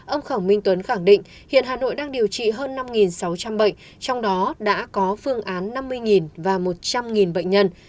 ông khổng minh tuấn khẳng định hiện hà nội đang điều trị hơn năm sáu trăm linh bệnh trong đó đã có phương án năm mươi và một trăm linh bệnh nhân